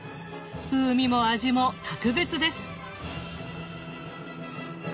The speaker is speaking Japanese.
風味も味も格別です。